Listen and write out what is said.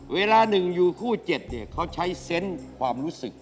เวลาหนึ่งอยู่คู่๗เนี่ยเขาใช้เซนต์ความรู้สึก